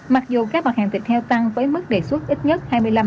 mặc dù các mặt hàng thịt heo tăng với mức đề xuất ít nhất hai mươi năm ba mươi